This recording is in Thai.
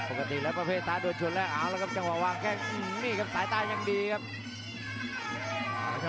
ปกติแล้วประเภทตาโดยชนและอาวุธแล้วก็จังหวะวางแก้นี่ครับสายตาอย่างดีครับ